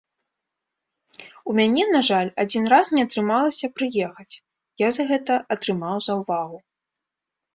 У мяне, на жаль, адзін раз не атрымалася прыехаць, я за гэта атрымаў заўвагу.